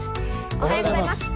おはようございます。